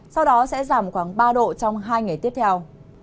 sau đó sẽ giảm khoảng ba độ trong hai ngày tiếp theo